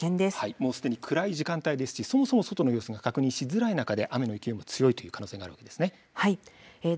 もうすでに暗い時間帯ですしそもそも外の様子が確認しづらい中で雨の勢いが強いということもあるようですね。